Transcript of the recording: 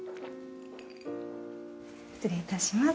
失礼いたします。